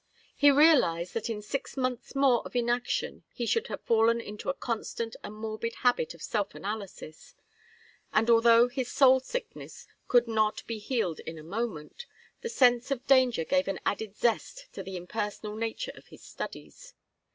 He realized that in six months more of inaction he should have fallen into a constant and morbid habit of self analysis, and although his soul sickness could not be healed in a moment, the sense of danger gave an added zest to the impersonal nature of his studies.